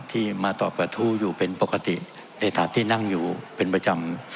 ที่มาตอบกระทู้อยู่เป็นปกติในฐานที่นั่งอยู่เป็นประจำ